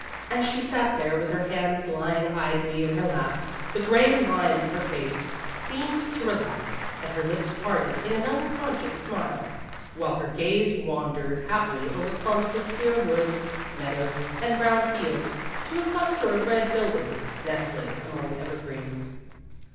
As she sat there with her hands lying idly in her lap, the grave lines of her face seemed 268 One of the Girls 269 to relax, and her lips parted in an uncon scious smile, while her gaze wandered happily over clumps of sere woods, mead ows, and brown fields, to a cluster of red buildings nestling among evergreens.